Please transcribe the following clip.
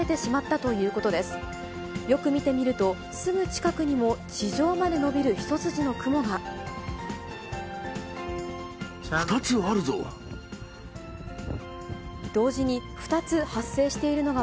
よく見てみると、すぐ近くにも地上まで延びる一筋の雲が。